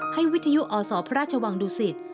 วิทยุอศพระราชวังดุสิต